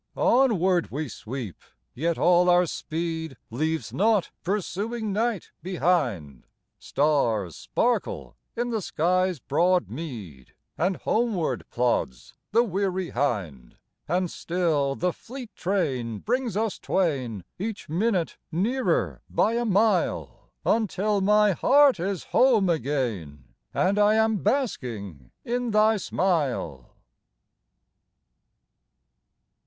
Onward we sweep, yet all our speed Leaves not pursuing night behind; Stars sparkle in the sky's broad mead, And homeward plods the weary hind; And still the fleet train brings us twain Each minute nearer by a mile, Until my heart is home again And I am basking in thy smile.